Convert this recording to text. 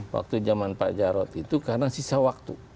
waktu zaman pak jarod itu karena sisa waktu